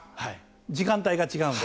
時間帯が違うので。